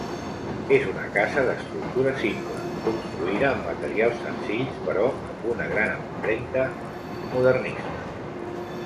És una casa d'estructura simple, construïda amb materials senzills però amb una gran empremta modernista.